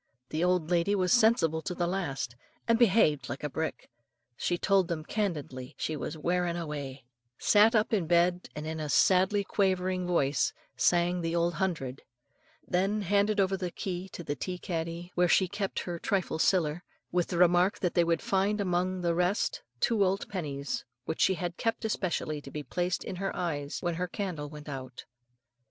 The old lady was sensible to the last, and behaved like a brick. She told them candidly she was "wearin' awa';" sat up in bed and in a sadly quavering voice sang the Old Hundred; then handed over the key of the tea caddy, where she kept her "trifle siller," with the remark that they would find among the rest two old pennies, which she had kept especially to be placed in her eyes when her "candle went out."